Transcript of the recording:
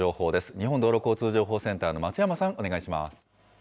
日本道路交通情報センターの松山さん、お願いします。